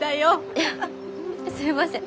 いやすみません。